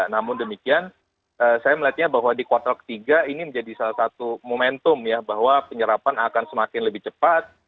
namun demikian saya melihatnya bahwa di kuartal ketiga ini menjadi salah satu momentum ya bahwa penyerapan akan semakin lebih cepat